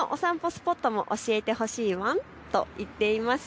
スポットも教えてほしいワンと言っています。